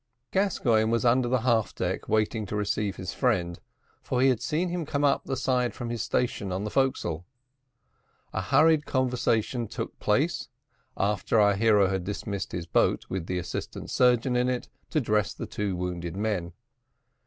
Gascoigne was under the half deck waiting to receive his friend, for he had seen him come up the side from his station on the forecastle. A hurried conversation took place, after our hero had dismissed his boat with the assistant surgeon in it to dress the two wounded men.